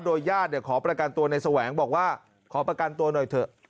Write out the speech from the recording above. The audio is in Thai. ญาติขอประกันตัวในแสวงบอกว่าขอประกันตัวหน่อยเถอะ